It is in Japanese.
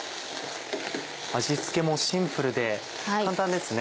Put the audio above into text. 味付けもシンプルで簡単ですね。